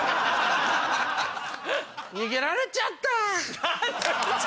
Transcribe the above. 逃げられちゃった！